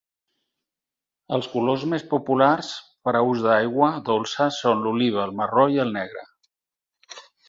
Els colors més populars per a ús d'aigua dolça són l'oliva, el marró i el negre.